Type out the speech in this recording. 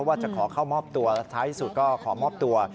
ว่าจะขอเข้ามอบตัวและท้ายที่สุดก็ขอมอบตัว